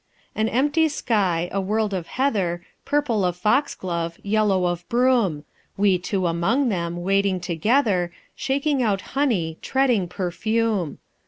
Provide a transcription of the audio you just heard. "An empty sky, a world of heather, Purple of fox glove, yellow of broom; We two among them, wading together, Shaking out honey, treading perfume.